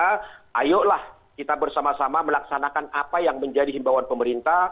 ayolah kita bersama sama melaksanakan apa yang menjadi himbawan pemerintah